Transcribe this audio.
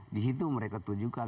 di situ mereka tunjukkan